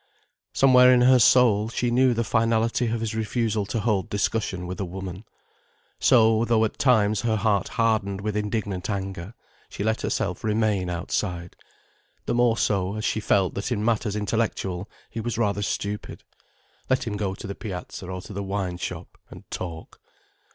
Somewhere in her soul, she knew the finality of his refusal to hold discussion with a woman. So, though at times her heart hardened with indignant anger, she let herself remain outside. The more so, as she felt that in matters intellectual he was rather stupid. Let him go to the piazza or to the wine shop, and talk.